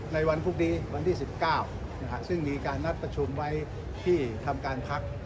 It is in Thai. ในวันพบดีวันที่๑๙นะครับซึ่งมีการนัดประชุมไว้ที่ทำการพลักษณ์